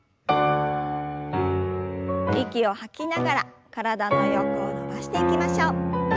息を吐きながら体の横を伸ばしていきましょう。